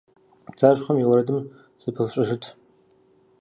ПцӀащхъуэм и уэрэдым зыпыфщӀыжыт.